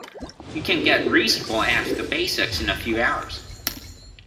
You can get reasonable at the basics in a few hours.